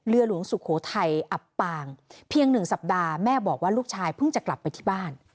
หลวงสุโขทัยอับปางเพียงหนึ่งสัปดาห์แม่บอกว่าลูกชายเพิ่งจะกลับไปที่บ้าน